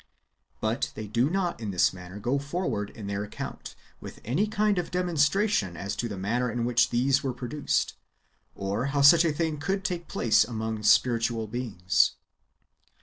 But they do not in this matter go forw^ard [in their account] with any kind of demonstration as to the manner in which these were produced, or how such a thing could take place among spiritual beings.